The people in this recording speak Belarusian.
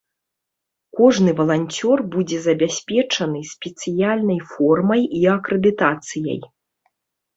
Кожны валанцёр будзе забяспечаны спецыяльнай формай і акрэдытацыяй.